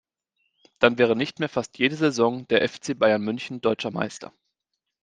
Dann wäre nicht mehr fast jede Saison der FC Bayern München deutscher Meister.